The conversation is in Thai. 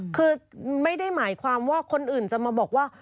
คือไม่ได้หมายความว่าคนอื่นจะมาบอกว่า